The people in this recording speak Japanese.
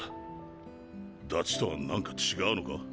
ダチとはなんか違うのか？